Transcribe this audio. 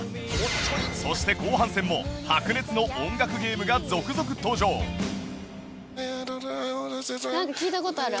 そして後半戦も白熱の音楽ゲームが続々登場！なんか聴いた事ある。